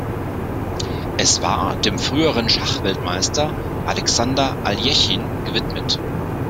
Es war dem früheren Schachweltmeister Alexander Aljechin gewidmet.